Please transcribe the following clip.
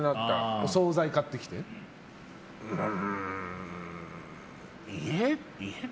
お総菜買ってきて？